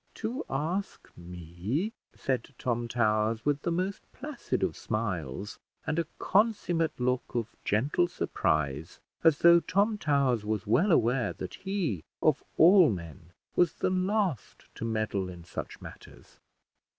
"To ask me," said Tom Towers, with the most placid of smiles, and a consummate look of gentle surprise, as though Tom Towers was well aware that he of all men was the last to meddle in such matters.